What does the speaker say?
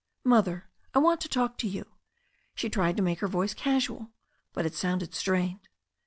"Mother, I want to talk to you." She tried to make her voice casual, but it sounded strained.